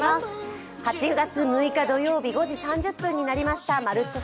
８月６日土曜日５時３０分になりました「まるっと！